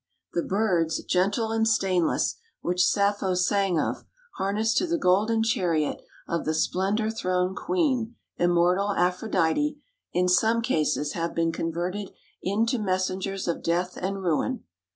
The birds, gentle and stainless, which Sappho sang of, harnessed to the golden chariot of the "Splendor throned Queen, immortal Aphrodite," in some cases have been converted into messengers of death and ruin.